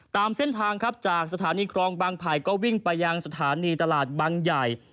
ตามเส้นทางครับจากสถานีครองบางไผ่ก็วิ่งไปยังสถานีตลาดบางใหญ่